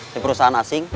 di perusahaan asing